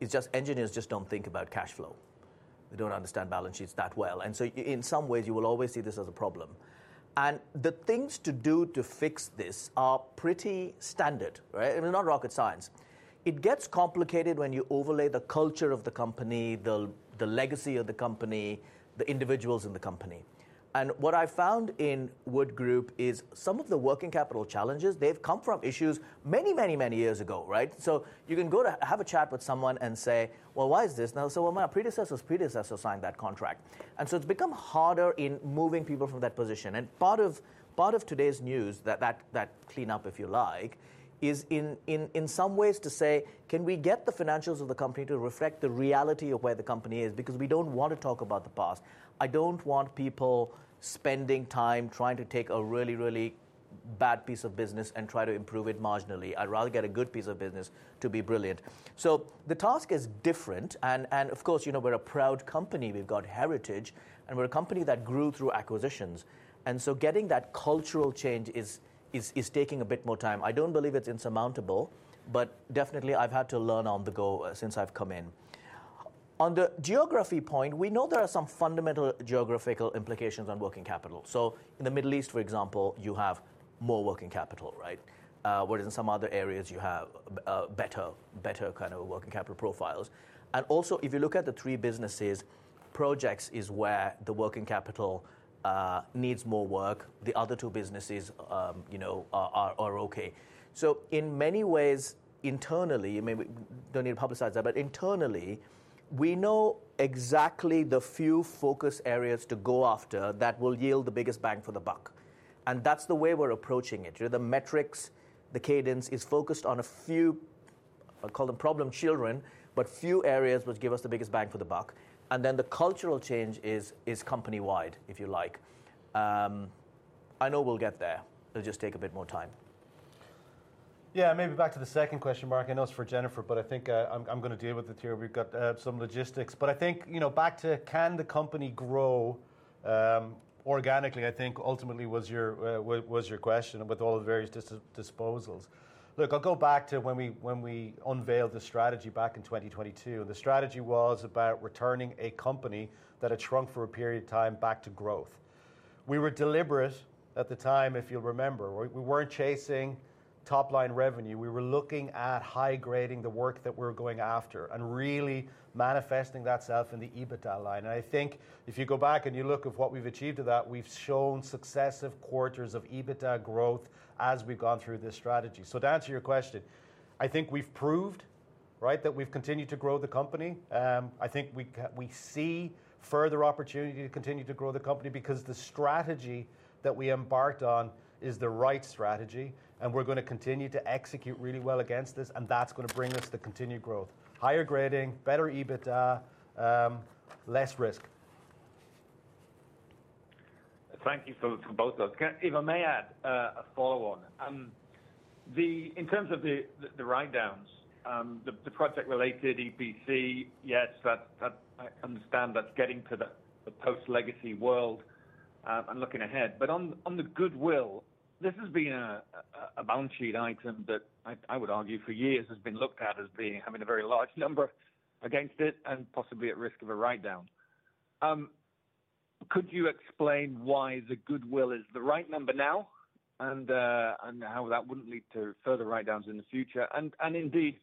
It's just engineers don't think about cash flow. They don't understand balance sheets that well, and so in some ways, you will always see this as a problem. And the things to do to fix this are pretty standard, right? I mean, not rocket science. It gets complicated when you overlay the culture of the company, the legacy of the company, the individuals in the company, and what I found in Wood Group is some of the working capital challenges, they've come from issues many, many, many years ago, right? So you can go to have a chat with someone and say, "Well, why is this?" "No. So well, my predecessor's predecessor signed that contract," so it's become harder in moving people from that position, and part of today's news, that cleanup, if you like, is in some ways to say, can we get the financials of the company to reflect the reality of where the company is? Because we don't want to talk about the past. I don't want people spending time trying to take a really, really bad piece of business and try to improve it marginally. I'd rather get a good piece of business to be brilliant. So the task is different, and of course, you know, we're a proud company. We've got heritage, and we're a company that grew through acquisitions, and so getting that cultural change is taking a bit more time. I don't believe it's insurmountable, but definitely I've had to learn on the go since I've come in. On the geography point, we know there are some fundamental geographical implications on working capital. So in the Middle East, for example, you have more working capital, right? Whereas in some other areas you have better kind of working capital profiles. And also, if you look at the three businesses, projects is where the working capital needs more work. The other two businesses, you know, are okay. So in many ways, internally, maybe don't need to publicize that, but internally, we know exactly the few focus areas to go after that will yield the biggest bang for the buck, and that's the way we're approaching it. You know, the metrics, the cadence is focused on a few, I'll call them problem children, but few areas which give us the biggest bang for the buck. And then the cultural change is company-wide, if you like. I know we'll get there. It'll just take a bit more time. Yeah, maybe back to the second question, Mark. I know it's for Jennifer, but I think I'm gonna deal with it here. We've got some logistics, but I think, you know, back to can the company grow organically. I think ultimately was your question with all the various disposals. Look, I'll go back to when we unveiled the strategy back in 2022. The strategy was about returning a company that had shrunk for a period of time back to growth. We were deliberate at the time, if you'll remember. We weren't chasing top-line revenue. We were looking at high-grading the work that we're going after and really manifesting that itself in the EBITDA line. And I think if you go back and you look at what we've achieved of that, we've shown successive quarters of EBITDA growth as we've gone through this strategy. So to answer your question, I think we've proved, right, that we've continued to grow the company. I think we see further opportunity to continue to grow the company because the strategy that we embarked on is the right strategy, and we're gonna continue to execute really well against this, and that's gonna bring us the continued growth. Higher grading, better EBITDA, less risk. Thank you for both of those. Can. If I may add a follow-on. In terms of the write-downs, the project-related EPC, yes, that I understand that's getting to the post-legacy world and looking ahead. But on the goodwill, this has been a balance sheet item that I would argue for years has been looked at as being having a very large number against it and possibly at risk of a write-down. Could you explain why the goodwill is the right number now, and how that wouldn't lead to further write-downs in the future? And indeed,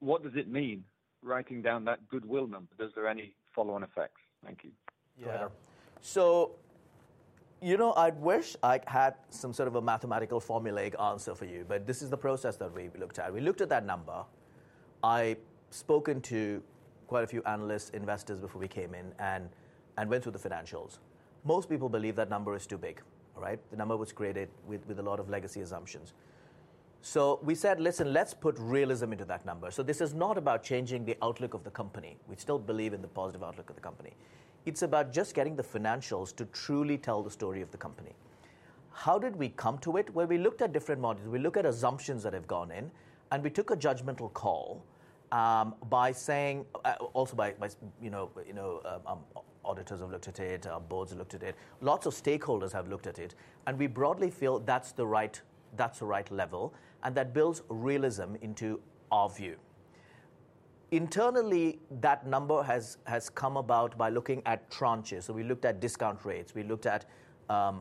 what does it mean, writing down that goodwill number? Is there any follow-on effects? Thank you. Yeah. So, you know, I'd wish I had some sort of a mathematical formulaic answer for you, but this is the process that we looked at. We looked at that number. I've spoken to quite a few analysts, investors, before we came in and went through the financials. Most people believe that number is too big, all right? The number was created with a lot of legacy assumptions. So we said, "Listen, let's put realism into that number." So this is not about changing the outlook of the company. We still believe in the positive outlook of the company. It's about just getting the financials to truly tell the story of the company. How did we come to it? Well, we looked at different models. We look at assumptions that have gone in, and we took a judgmental call, by saying, also by, by you know, auditors have looked at it, our boards have looked at it. Lots of stakeholders have looked at it, and we broadly feel that's the right, that's the right level, and that builds realism into our view. Internally, that number has come about by looking at tranches. So we looked at discount rates, we looked at our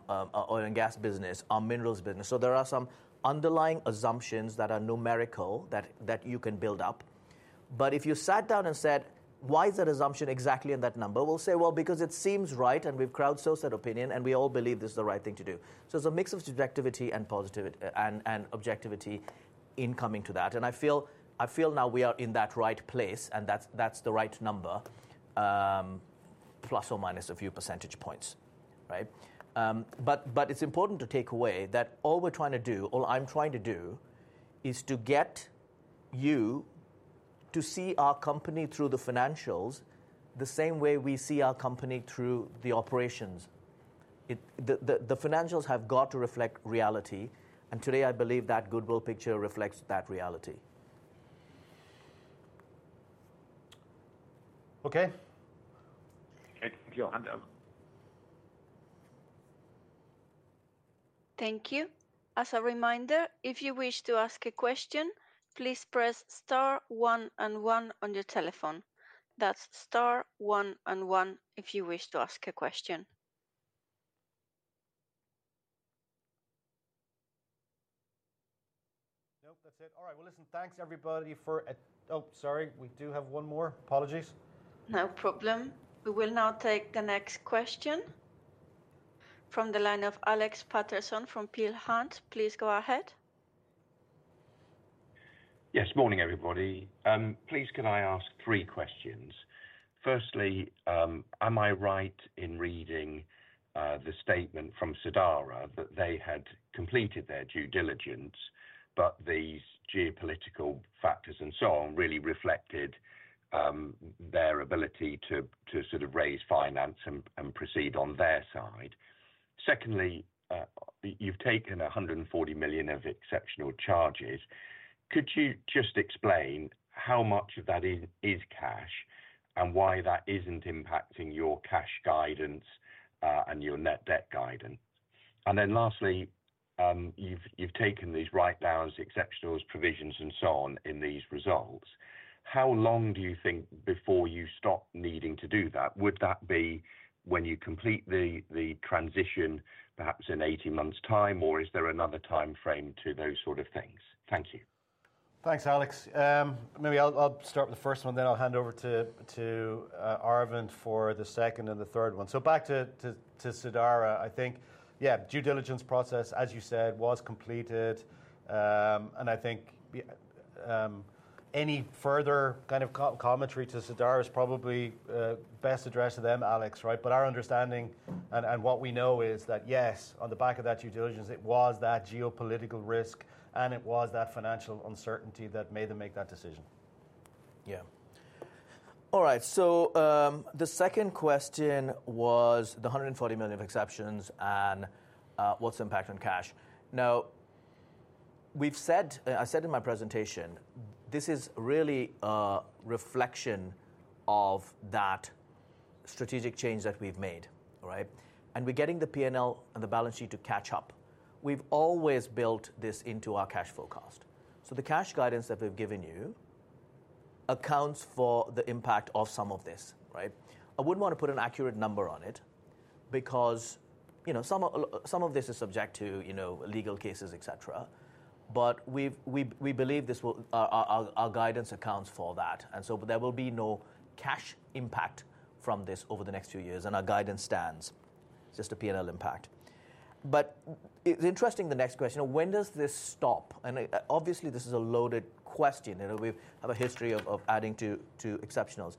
oil and gas business, our minerals business. So there are some underlying assumptions that are numerical that you can build up. But if you sat down and said, "Why is that assumption exactly in that number?" We'll say, "Well, because it seems right, and we've crowd sourced that opinion, and we all believe this is the right thing to do." So it's a mix of subjectivity and positivism and objectivity in coming to that. And I feel now we are in that right place, and that's the right number, plus or minus a few percentage points, right? But it's important to take away that all we're trying to do, all I'm trying to do, is to get you to see our company through the financials the same way we see our company through the operations. The financials have got to reflect reality, and today I believe that goodwill picture reflects that reality. Okay. Thank you. Thank you. As a reminder, if you wish to ask a question, please press star one and one on your telephone. That's star one and one if you wish to ask a question. Nope, that's it. All right. Well, listen, thanks everybody for... Oh, sorry, we do have one more. Apologies. No problem. We will now take the next question from the line of Alex Paterson from Peel Hunt. Please go ahead. Yes, morning, everybody. Please, can I ask three questions? Firstly, am I right in reading the statement from Sidara, that they had completed their due diligence, but these geopolitical factors and so on, really reflected their ability to sort of raise finance and proceed on their side? Secondly, you've taken $140 million of exceptional charges. Could you just explain how much of that is cash, and why that isn't impacting your cash guidance and your net debt guidance? And then lastly, you've taken these write-downs, exceptionals, provisions, and so on in these results. How long do you think before you stop needing to do that? Would that be when you complete the transition, perhaps in 18 months' time, or is there another time frame to those sort of things? Thank you. Thanks, Alex. Maybe I'll start with the first one, then I'll hand over to Arvind for the second and the third one. So back to Sidara, I think, yeah, due diligence process, as you said, was completed. And I think any further kind of commentary to Sidara is probably best addressed to them, Alex, right? But our understanding and what we know is that, yes, on the back of that due diligence, it was that geopolitical risk, and it was that financial uncertainty that made them make that decision. Yeah. All right, so, the second question was the $140 million of exceptions and, what's the impact on cash? Now, we've said, I said in my presentation, this is really a reflection of that strategic change that we've made, all right? And we're getting the P&L and the balance sheet to catch up. We've always built this into our cash flow cost. So the cash guidance that we've given you accounts for the impact of some of this, right? I wouldn't want to put an accurate number on it because, you know, some of this is subject to, you know, legal cases, et cetera. But we've, we believe this will... Our guidance accounts for that. And so there will be no cash impact from this over the next few years, and our guidance stands. It's just a P&L impact. But it's interesting, the next question, when does this stop? And, obviously, this is a loaded question, and we have a history of adding to exceptionals.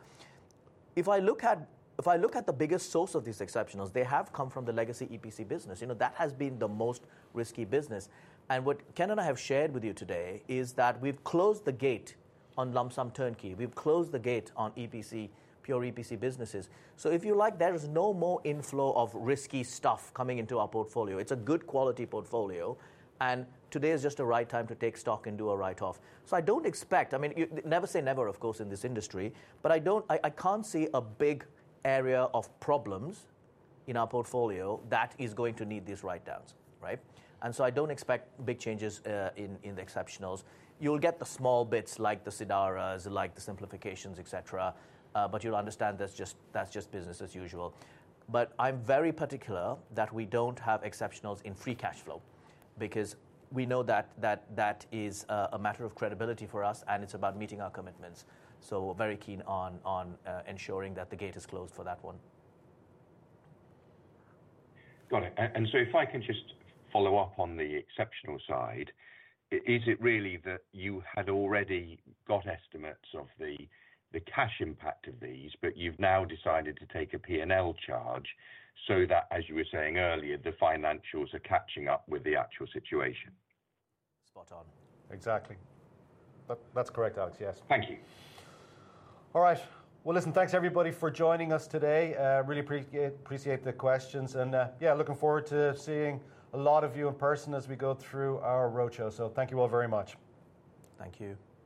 If I look at the biggest source of these exceptionals, they have come from the legacy EPC business. You know, that has been the most risky business, and what Ken and I have shared with you today is that we've closed the gate on lump-sum turnkey. We've closed the gate on EPC, pure EPC businesses. So if you like, there is no more inflow of risky stuff coming into our portfolio. It's a good quality portfolio, and today is just the right time to take stock and do a write-off. So I don't expect... I mean, you never say never, of course, in this industry, but I don't. I can't see a big area of problems in our portfolio that is going to need these write-downs, right? And so I don't expect big changes in the exceptionals. You'll get the small bits like the Sidara, like the simplifications, et cetera, but you'll understand that's just business as usual. But I'm very particular that we don't have exceptionals in free cash flow, because we know that is a matter of credibility for us, and it's about meeting our commitments. So we're very keen on ensuring that the gate is closed for that one. Got it. And so if I can just follow up on the exceptional side. Is it really that you had already got estimates of the cash impact of these, but you've now decided to take a P&L charge so that, as you were saying earlier, the financials are catching up with the actual situation? Spot on. Exactly. That, that's correct, Alex. Yes. Thank you. All right. Well, listen, thanks everybody for joining us today. Really appreciate the questions and, yeah, looking forward to seeing a lot of you in person as we go through our roadshow, so thank you all very much. Thank you.